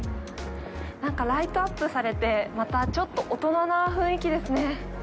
なんか、ライトアップされて、またちょっと大人な雰囲気ですね。